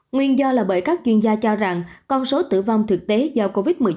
nguyên do là bởi các chuyên gia cho rằng con số tử vong thực tế do covid một mươi chín